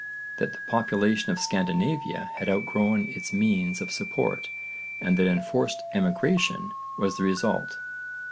that the population of Scandinavia had outgrown its means of support and that enforced emigration was the result.